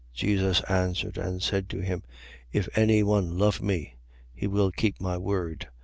14:23. Jesus answered and said to him: If any one love me, he will keep my word.